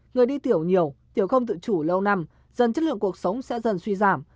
người đi tiểu nhiều tiểu không dự trù lâu năm dần chất lượng cuộc sống sẽ dần suy giảm